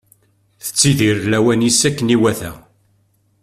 Tettidir lawan-is akken iwata.